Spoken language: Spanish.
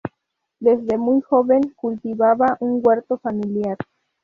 Desde muy joven cultivaba un huerto familiar.